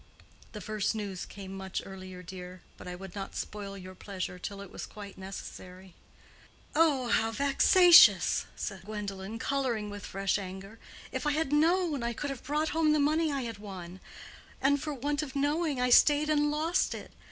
"The first news came much earlier, dear. But I would not spoil your pleasure till it was quite necessary." "Oh, how vexatious!" said Gwendolen, coloring with fresh anger. "If I had known, I could have brought home the money I had won: and for want of knowing, I stayed and lost it.